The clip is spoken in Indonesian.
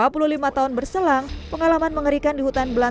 saya pikir morfin itu mungkin membuat jantungmu terlalu teruk